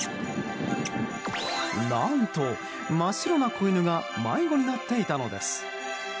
何と、真っ白な子犬が迷子になっていたのです。